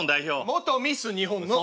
元ミス日本の。